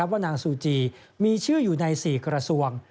ว่านางซูจีมีชื่ออยู่ใน๔กระทรวง